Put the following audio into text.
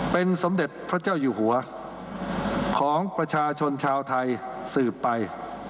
เป็นสมเด็จพระเจ้าอยู่หัวของประชาชนชาวไทยสืบไป